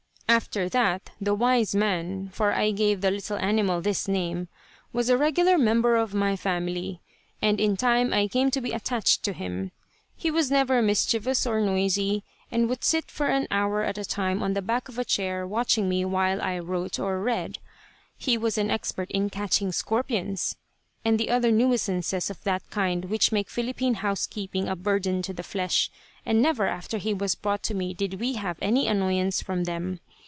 After that the "wise man," for I gave the little animal this name, was a regular member of my family, and in time I came to be attached to him. He was never mischievous or noisy, and would sit for an hour at a time on the back of a chair watching me while I wrote or read. He was expert in catching scorpions and the other nuisances of that kind which make Philippine housekeeping a burden to the flesh, and never after he was brought to me did we have any annoyance from them.